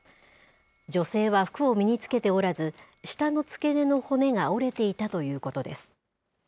女性は服を身につけておらず、舌の付け根の骨が折れていたということです。